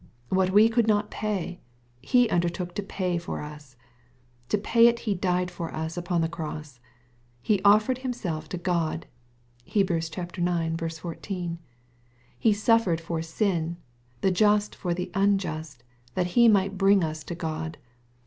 What we could not pay. Ho undertook to pay for us. To pay it He died for us upon the cross. " He offered himself to God." (Heb. ix. 14.) " He suffered for sin, the just for the unjust, that He might bring us to God."